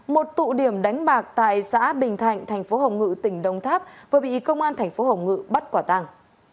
một tụ điểm đánh bạc tại xã bình thạnh thành phố hồng ngự tỉnh đông tháp vừa bị công an thành phố hồng ngự bắt quả tàng